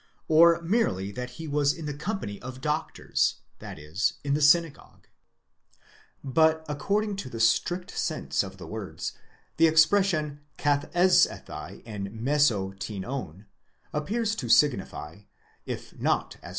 ® or merely that he was in the company of doctors, that is, in the synagogue ;!® but according to the strict sense of the words, the expression καθέζεσθαι ἐν μέσῳ τινῶν appears to signify, if not as